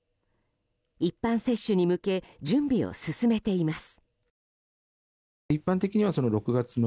一般接種に向け準備を進めています。